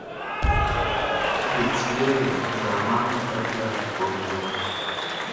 Ngue ti yɛ nzraamaʼm be kpaja kpa kɔnguɛ ɔ?